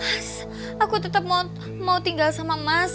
mas aku tetap mau tinggal sama mas